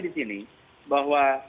di sini bahwa